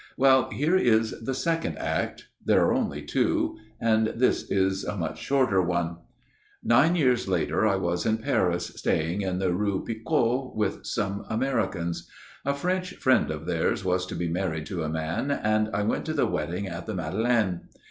Well, here is the second Act. There are only two ; and this is a much shorter one. " Nine years later I was in Paris ; staying in the Rue Picot with some Americans. A French friend of theirs was to be married to a man ; and I went to the wedding at the Madeleine.